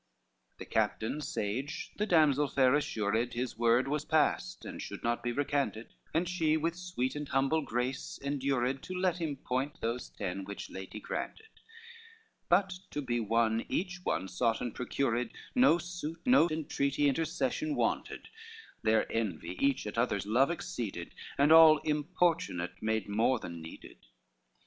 LXIX The captain sage the damsel fair assured, His word was passed and should not be recanted, And she with sweet and humble grace endured To let him point those ten, which late he granted: But to be one, each one fought and procured, No suit, no entreaty, intercession wanted; There envy each at others' love exceeded, And all importunate made, more than needed.